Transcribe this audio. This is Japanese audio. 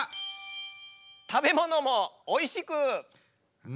食べ物もおいしく。